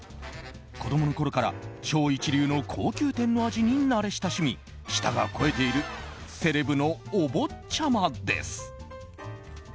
子供のころから超一流の高級店の味に慣れ親しみ舌が肥えているセレブのお坊ちゃまです。